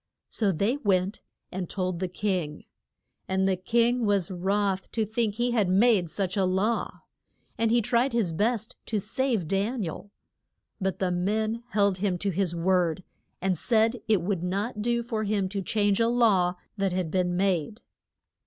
So they went and told the king, and the king was wroth to think he had made such a law. And he tried his best to save Dan i el. But the men held him to his word, and said it would not do for him to change a law that had been made.